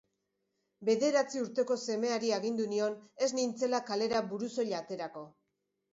Bederatzi urteko semeari agindu nion ez nintzela kalera burusoil aterako.